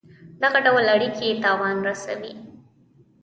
دغه ډول اړېکي تاوان رسوي.